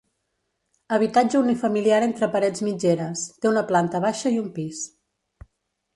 Habitatge unifamiliar entre parets mitgeres, té una planta baixa i un pis.